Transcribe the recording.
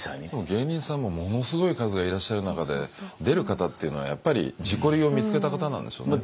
芸人さんもものすごい数がいらっしゃる中で出る方っていうのはやっぱり自己流を見つけた方なんでしょうね。